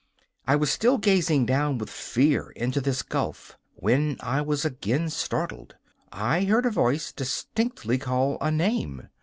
I was still gazing down with fear into this gulf when I was again startled: I heard a voice distinctly call a name!